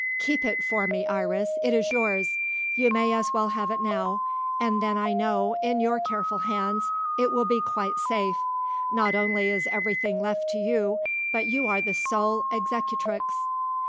"Keep it for me, Iris. It is yours. You may as well have it now, and then I know, in your careful hands, it will be quite safe. Not only is everything left to you, but you are the sole executrix."